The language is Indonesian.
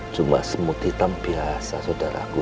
cuma semut hitam biasa saudaraku